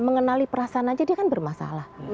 mengenali perasaan aja dia kan bermasalah